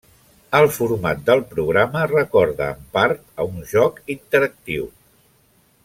El format del programa recorda en part a un joc interactiu.